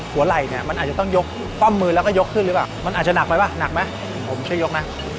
หัวไหล่เนี่ยมันอาจจะต้องยก